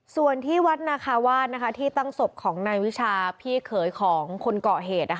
ส่วนที่วัดนาคาวาสที่ตั้งศพของนายวิชาพี่เขยของคนเกาะเหตุ